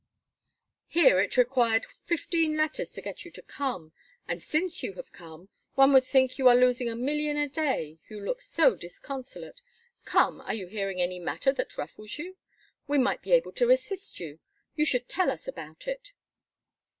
Here it required fifteen letters to get you to come. And since you have come, one would think you are losing a million a day, you look so disconsolate. Come, are you hearing any matter that ruffles you? We might be able to assist you. You should tell us about it."